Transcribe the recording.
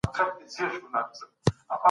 پانګونه باید د نوي عاید سرچینه سي.